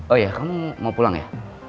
oh ya kamu mau pulang ya